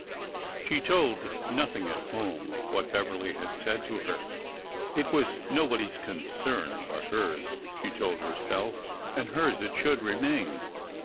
She told nothing at home of what Beverly had said to her. It was nobody's concern but hers, she told herself, and hers it should remain.